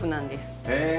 へえ。